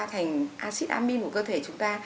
thành acid amine của cơ thể chúng ta